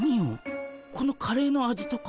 このカレーの味とか？